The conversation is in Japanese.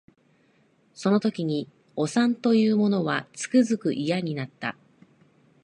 その時におさんと言う者はつくづく嫌になった